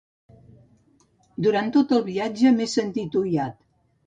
Durant tot el viatge m'he sentit oiat.